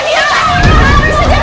kamu tidak bisa dibilang